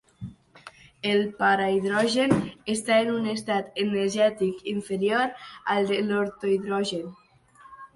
El parahidrogen està en un estat energètic inferior al de l'ortohidrogen.